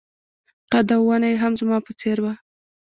قد او ونه يې هم زما په څېر وه.